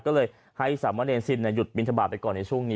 ก็เลยให้สามะเนรซินหยุดบินทบาทไปก่อนในช่วงนี้